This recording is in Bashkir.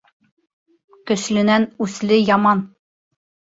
Көслөнән үсле яман.